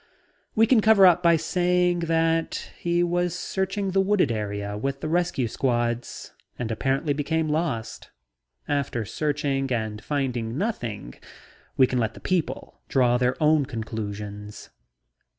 We can cover up by saying that he was searching the wooded area with the rescue squads and apparently became lost. After searching and finding nothing, we can let the people draw their own conclusions."